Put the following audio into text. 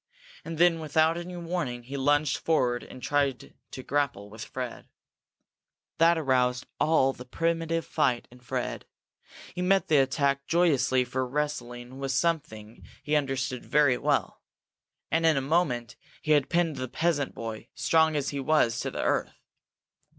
And then without any warning, he lunged forward and tried to grapple with Fred. That aroused all the primitive fight in Fred. He met the attack joyously for wrestling was something he understood very well. And in a moment he had pinned the peasant boy, strong as he was, to the earth.